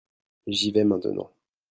J'y vais maintenant.